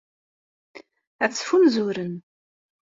Ad ttfunzuren.